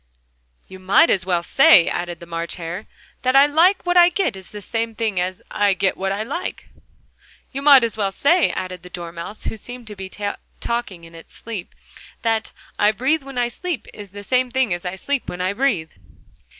"You might just as well say," added the March Hare, "that 'I like what I get' is the same thing as 'I get what I like'!" "You might just as well say," added the Dormouse, who seemed to be talking in its sleep, "that 'I breathe when I sleep' is the same thing as 'I sleep when I breathe'!"